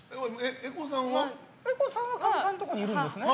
絵子さんはかみさんのところにいるんですね。